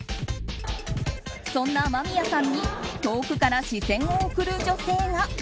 そんな間宮さんに遠くから視線を送る女性が。